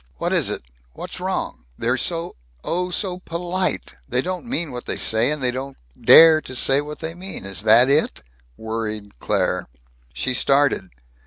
"What is it? What's wrong? They're so oh, so polite. They don't mean what they say and they don't dare to say what they mean. Is that it?" worried Claire. She started.